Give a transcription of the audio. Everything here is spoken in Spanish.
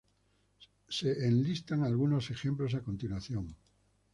Se enlistan algunos ejemplos a continuación.